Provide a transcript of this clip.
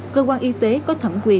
cơ quan y tế có thẩm quyền